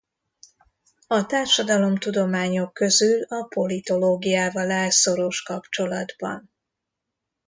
A társadalomtudományok közül a politológiával áll szoros kapcsolatban.